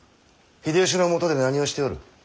秀吉のもとで何をしておる？